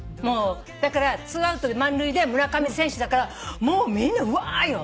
だから２アウトで満塁で村上選手だからもうみんなうわ！よ。